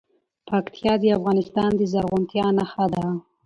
پکتیا د افغانستان د زرغونتیا نښه ده.